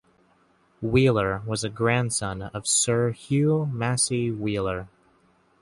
Wheeler was a grandson of Sir Hugh Massy Wheeler.